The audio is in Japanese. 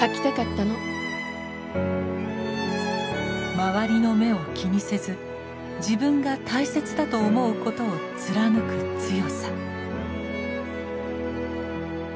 周りの目を気にせず自分が大切だと思うことを貫く強さ。